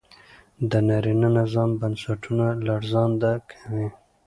د نارينه نظام بنسټونه لړزانده کوي